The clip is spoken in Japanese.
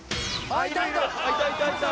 あっいたいた！